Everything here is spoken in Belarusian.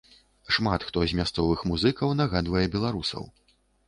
Шмат хто з мясцовых музыкаў нагадвае беларусаў.